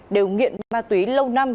đều nghiện ma túy lâu năm